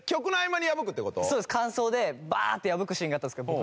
間奏でバーッて破くシーンがあったんですけど